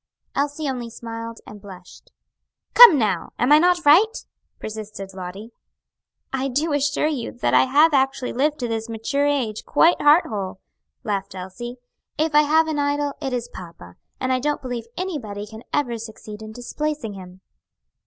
Elsie only smiled and blushed. "Come now, am I not right?" persisted Lottie. "I do assure you that I have actually lived to this mature age quite heart whole," laughed Elsie. "If I have an idol, it is papa, and I don't believe anybody can ever succeed in displacing him."